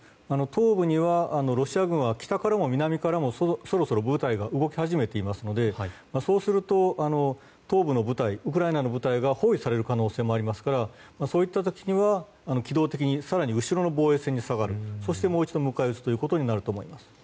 東部にはロシア軍は北からも南からも部隊が動き始めていますのでそうしますと東部のウクライナの部隊が包囲される可能性もありますからそういった時には機動的に更に後ろの防衛線に下がりもう一度迎え撃つことになります。